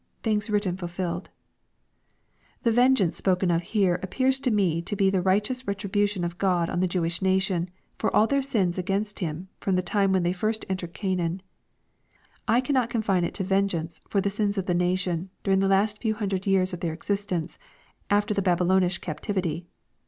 thing8 written fulfilled^] The " vengeance'' «)oken of here appears to me to be the righteous retribution of God on the Jewish nation, for all their sins against Him, from the time when they first entered Canaan. I cannot confine it to " vengeance" for the sins of the nation during the last few hun dred years of their existence after the Babylonish captivity.